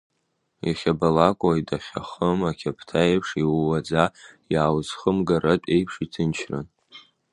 Иахьабалак, уаҩ дахьахым ақьаԥҭа еиԥш, иууаӡа, иааузхымгартә еиԥш, иҭынчран.